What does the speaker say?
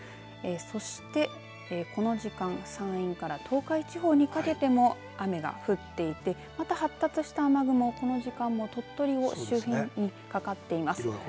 そしてこの時間山陰から東海地方にかけても雨が降っていてまた発達した雨雲、この時間も鳥取周辺にかかっています。